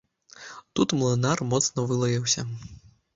Тут млынар моцна вылаяўся.